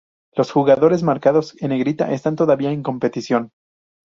Los jugadores marcados en negrita están todavía en competición.